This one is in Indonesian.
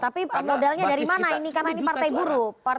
tapi modalnya dari mana ini karena ini partai buruh